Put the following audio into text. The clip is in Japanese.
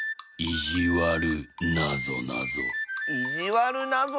いじわるなぞなぞ？